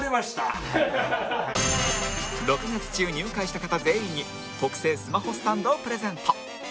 ６月中入会した方全員に特製スマホスタンドをプレゼント